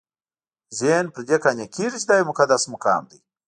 ذهن پر دې قانع کېږي چې دا یو مقدس مقام دی.